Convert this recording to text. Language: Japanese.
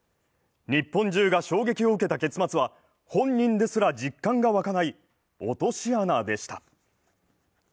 日本中が衝撃を受けた結末は本人ですら実感がわかない落とし穴でした。